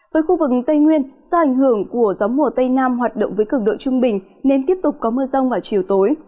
với khu vực tây nguyên do ảnh hưởng của gió mùa tây nam hoạt động với cực độ trung bình nên tiếp tục có mưa rông vào chiều tối